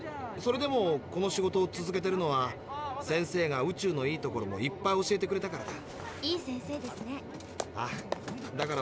それでもこの仕事を続けてるのは先生が宇宙のいいところもいっぱい教えてくれたからだ。